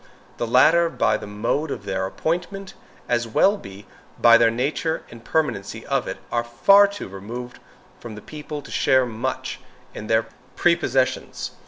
The latter, by the mode of their appointment, as well as by the nature and permanency of it, are too far removed from the people to share much in their prepossessions.